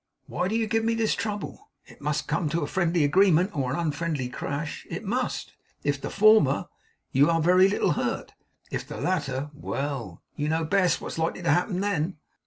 Why do you give me this trouble? It must come to a friendly agreement, or an unfriendly crash. It must. If the former, you are very little hurt. If the latter well! you know best what is likely to happen then.